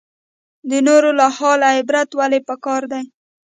د نورو له حاله عبرت ولې پکار دی؟